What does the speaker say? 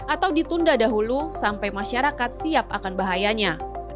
atau ditunda dahulu sampai masyarakat siap akan bahayanya